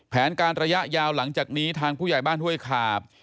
แผนการระยะยาวหลังจากนี้ทางผู้ใหญ่บ้านห้วยขาบ